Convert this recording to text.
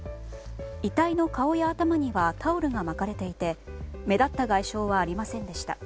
遺体の顔や頭にはタオルがまかれていて目立った外傷はありませんでした。